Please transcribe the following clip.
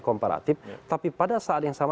komparatif tapi pada saat yang sama